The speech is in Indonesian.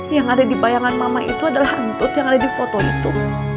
yang ada di bayangan mama itu adalah hantut yang ada di foto itu